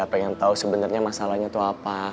pengen tau sebenernya masalahnya itu apa